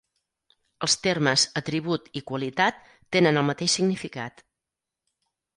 Els termes atribut i qualitat tenen el mateix significat.